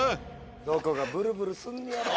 どこがブルブルすんのやら。